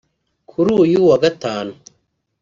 kuri uyu wa Gatanu